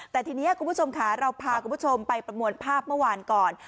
แต่ทีนี้คุณผู้ชมค่ะเราพาคุณผู้ชมไปประมวลภาพเมื่อวานก่อน